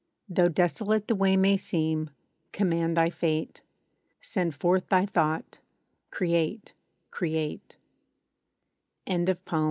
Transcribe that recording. Though desolate The way may seem, command thy fate. Send forth thy thought— Create—Create! Knowledge.